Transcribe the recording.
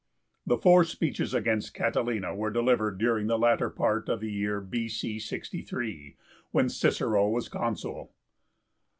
The four speeches against Catilina were delivered during the latter part of the year B.C. 63, when Cicero was Consul.